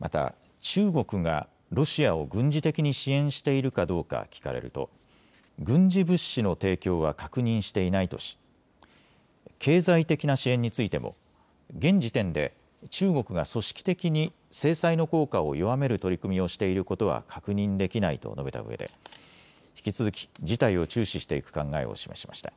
また中国がロシアを軍事的に支援しているかどうか聞かれると軍事物資の提供は確認していないとし経済的な支援についても現時点で中国が組織的に制裁の効果を弱める取り組みをしていることは確認できないと述べたうえで引き続き事態を注視していく考えを示しました。